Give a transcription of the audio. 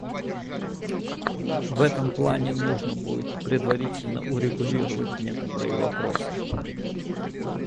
В этом плане нужно будет предварительно урегулировать некоторые вопросы.